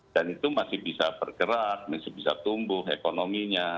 dan itu masih bisa bergerak masih bisa tumbuh ekonominya